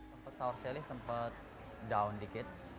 sampai saurseli sempat down dikit